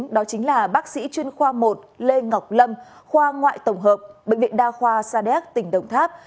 đó chính là bác sĩ chuyên khoa một lê ngọc lâm khoa ngoại tổng hợp bệnh viện đa khoa sa đéc tỉnh đồng tháp